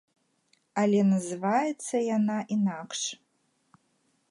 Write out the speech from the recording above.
Але называецца яна інакш.